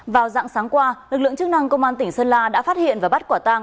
vào dạng sáng qua lực lượng chức năng công an tỉnh sơn la đã phát hiện và bắt quả tang